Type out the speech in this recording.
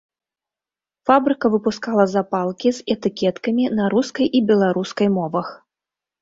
Фабрыка выпускала запалкі з этыкеткамі на рускай і беларускай мовах.